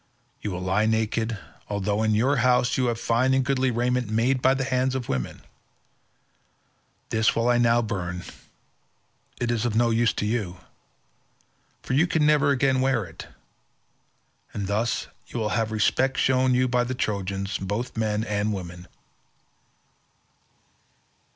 You will lie naked, although in your house you have fine and goodly raiment made by hands of women. This will I now burn; it is of no use to you, for you can never again wear it, and thus you will have respect shown you by the Trojans both men and women."